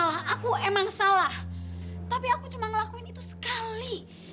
aku cuma ngelakuin itu sekali